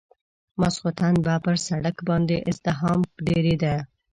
ماخستن به پر سړک باندې ازدحام ډېرېده.